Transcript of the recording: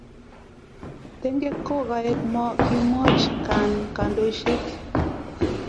tengek ko kaek mo kimwach Khan kandoishet